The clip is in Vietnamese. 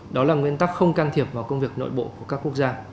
đó là nguyên tắc không can thiệp vào công việc nội bộ của các quốc gia